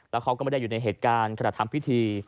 แล้วเขาก็ไม่ได้อยู่ในเหตุการณ์ขณะทำพิธี